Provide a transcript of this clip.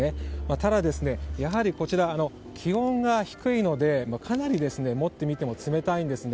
ただ、やはりこちらは気温が低いのでかなり持ってみても冷たいんですね。